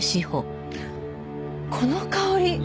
この香り！